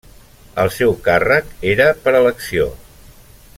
El seu càrrec era per elecció.